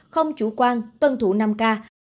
không chủ quan tuân thủ năm k